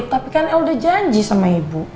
tapi kan l udah janji sama ibu